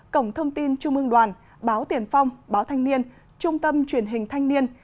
cổng thông tin trung ương đoàn báo tiền phong báo thanh niên trung tâm truyền hình thanh niên